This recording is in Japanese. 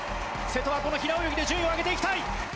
瀬戸はこの平泳ぎで順位を上げていきたい。